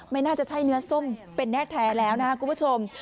ไม่น่าจะใช่เนื้อส้มเป็นแน่แท้แล้วนะครับคุณผู้ชม